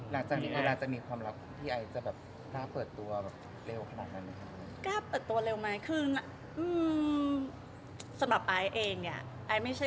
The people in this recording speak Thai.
แล้วอาจจะมีความรักที่ไอ้จะ